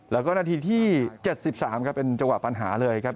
แล้วก็นาทีที่๗๓ครับเป็นจังหวะปัญหาเลยครับ